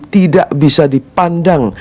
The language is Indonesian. tidak bisa dipandang